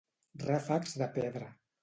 Ràfecs de pedra.